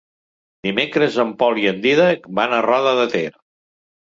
Dimecres en Pol i en Dídac van a Roda de Ter.